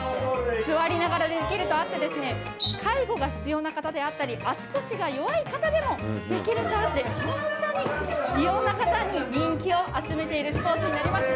座りながらできるとあって、介護が必要な方であったり、足腰が弱い方でもできるとあって、本当にいろんな方に人気を集めているスポーツになります。